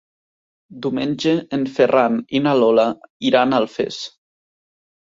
Diumenge en Ferran i na Lola iran a Alfés.